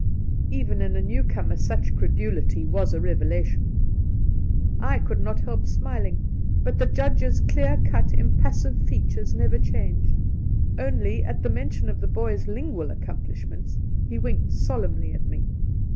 ; Even in a new comer such credulity was a reve lation. I could not help i^miling, but the Judge's clear cut, impassive features never changed ; only, at the mention of the ' boy's ' lingual accomplish ments, he winked solemnly at me.